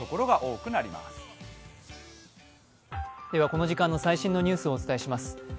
この時間の最新のニュースをお伝えします。